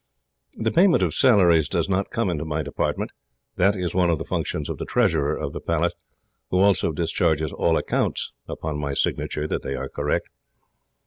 "The payment of salaries does not come into my department. That is one of the functions of the treasurer of the Palace, who also discharges all accounts, upon my signature that they are correct.